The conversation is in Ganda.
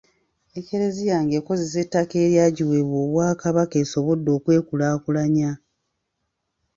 Eklezia nga ekozesa ettaka eryagiweebwa Obwakabaka esobodde okwekulaakulanya.